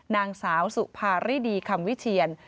นางสาวสุภาริดีคำวิเชียน